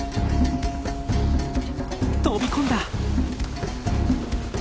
飛び込んだ！